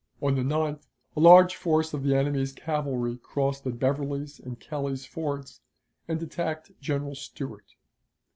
On the 9th a large force of the enemy's cavalry crossed at Beverly's and Kelly's Fords and attacked General Stuart.